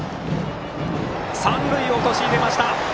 三塁を陥れました！